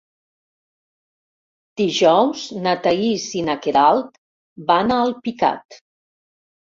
Dijous na Thaís i na Queralt van a Alpicat.